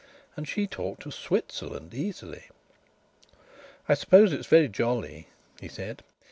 And she talked of Switzerland easily! "I suppose it is very jolly," he said.